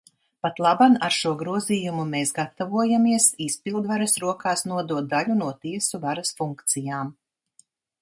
Patlaban ar šo grozījumu mēs gatavojamies izpildvaras rokās nodot daļu no tiesu varas funkcijām.